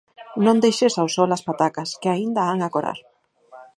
Non deixes ao sol as patacas, que aínda han acorar.